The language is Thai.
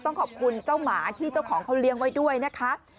ต้องขอบคุณเจ้าหมาที่เจ้าของเขาเลี้ยงไว้ด้วยนะคะ